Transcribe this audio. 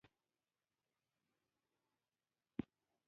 انسان له لا زيات وراني وژغورل شي.